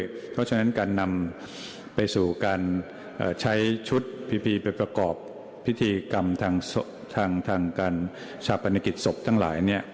เพราะฉะนั้นการนำไปสู่การใช้ชุดพีพีไปประกอบพิธีกรรมทางการชาปนกิจศพทั้งหลาย